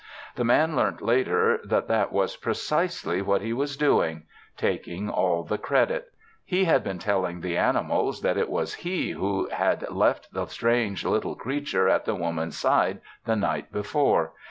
The Man learnt later that that was precisely what he was doing taking all the credit. He had been telling the animals that it was he who had left the strange little creature at the Woman's side the night before.